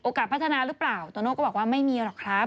พัฒนาหรือเปล่าโตโน่ก็บอกว่าไม่มีหรอกครับ